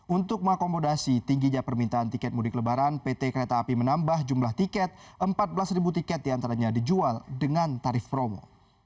untuk mengakomodasi tingginya permintaan tiket mudik lebaran pt kereta api menambah jumlah tiket empat belas tiket diantaranya dijual dengan tarif promo